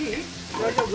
大丈夫？